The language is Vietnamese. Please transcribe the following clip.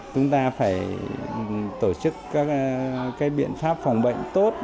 chúng ta phải tổ chức các biện pháp phòng bệnh tốt